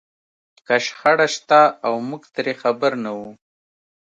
که شخړه شته او موږ ترې خبر نه وو.